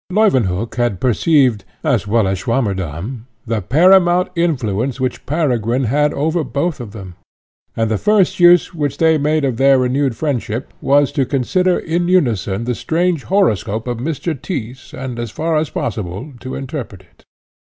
Leuwenhock had perceived, as well as Swammerdamm, the paramount influence which Peregrine had over both of them; and the first use, which they made of their renewed friendship, was, to consider in unison the strange horoscope of Mr. Tyss, and, as far as possible, to interpret it.